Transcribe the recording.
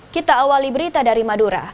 kita awali berita dari madura